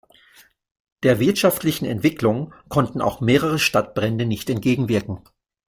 Der wirtschaftlichen Entwicklung konnten auch mehrere Stadtbrände nicht entgegenwirken.